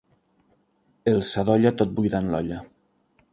El sadolla tot buidant l'olla.